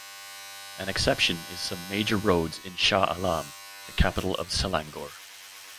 An exception is some major roads in Shah Alam, the capital of Selangor.